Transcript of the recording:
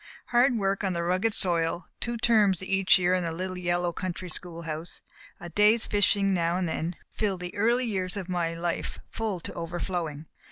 Hard work on the rugged soil, two terms each year in the little yellow country schoolhouse, a day's fishing now and then filled the early years of my life full to over flowing.